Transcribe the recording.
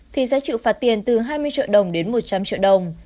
thì sẽ chịu phạt tiền từ hai mươi triệu đồng đến một trăm linh triệu đồng